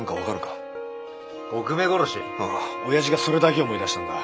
親父がそれだけ思い出したんだ。